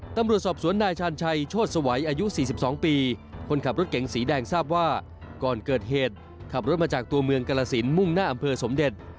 ตำรวจสอบสวนนายชาญชัยโชธสวัยอายุ๔๒ปีคนขับรถเก๋งสีแดงทราบว่าก่อนเกิดเหตุขับรถมาจากตัวเมืองกรสินมุ่งหน้าอำเภอสมเด็จ